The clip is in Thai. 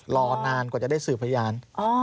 รอนานกว่าจะได้สื่อพยาน